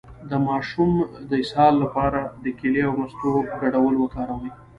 د ماشوم د اسهال لپاره د کیلې او مستو ګډول وکاروئ